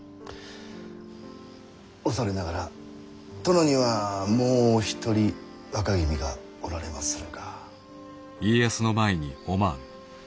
恐れながら殿にはもうお一人若君がおられまするが。